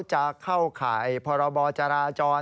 จะเข้าข่ายพรบจราจร